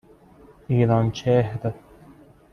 ایرانچهر